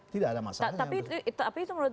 tidak ada masalah tapi itu menurut